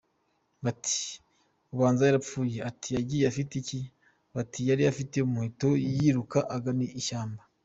" Bati "Ubanza yarapfuye!" Ati "Yagiye afite iki?" Bati "yari afite umuheto yiruka agana ishyamba.